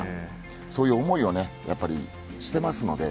そういう思いをしていますので。